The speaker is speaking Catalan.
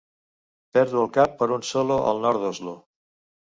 Perdo el cap per un solo al nord d'Oslo.